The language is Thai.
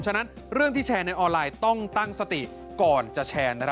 ฉะนั้นเรื่องที่แชร์ในออนไลน์ต้องตั้งสติก่อนจะแชร์